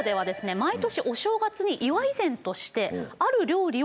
毎年お正月に祝い膳としてある料理を食べていました。